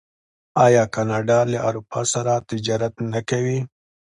آیا کاناډا له اروپا سره تجارت نه کوي؟